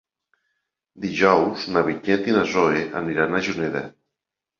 Dijous na Vinyet i na Zoè aniran a Juneda.